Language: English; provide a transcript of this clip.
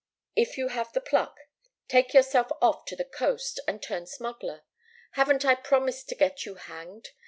If you have the pluck, take yourself off to the coast and turn smuggler. Haven't I promised to get you hanged?